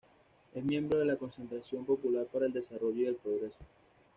Es miembro de la Concentración Popular para el Desarrollo y el Progreso.